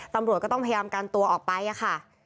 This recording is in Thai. ตำรวจก็ต้องพยายามกันตัวออกไปค่ะ